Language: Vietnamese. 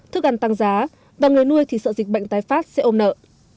thức ăn tăng giá và người nuôi thì sợ dịch bệnh tái phát sẽ ôm nợ